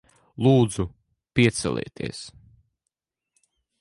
Lūdzu, piecelieties.